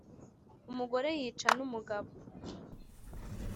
umugore, yica, numugabo